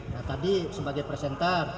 ya tadi sebagai presenter